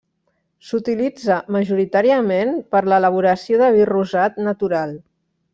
S'utilitza majoritàriament per l'elaboració de vi rosat natural.